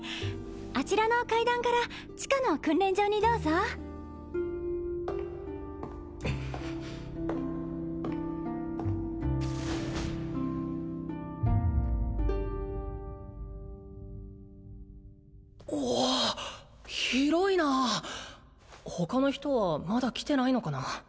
あちらの階段から地下の訓練場にどうぞおおっ広いな他の人はまだ来てないのかな？